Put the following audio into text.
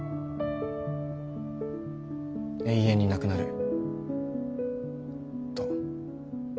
永遠になくなると。